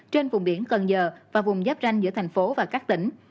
trên vùng biển cần giờ và vùng giáp ranh giữa thành phố và các tỉnh